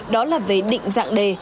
đó là về định dạng đề